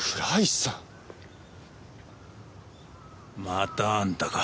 またあんたか。